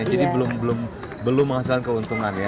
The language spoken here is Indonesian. jadi belum belum menghasilkan keuntungan ya